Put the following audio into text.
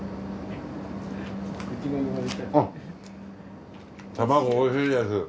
あっ玉子おいしいです。